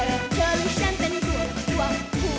เธอรู้ฉันเป็นหัวหัวหัว